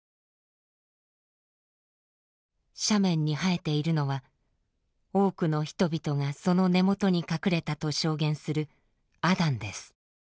斜面に生えているのは多くの人々がその根元に隠れたと証言するアダンです。